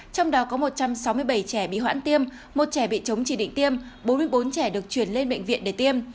trong đó có một trăm sáu mươi bảy trẻ bị hoãn tiêm một trẻ bị chống chỉ định tiêm bốn mươi bốn trẻ được chuyển lên bệnh viện để tiêm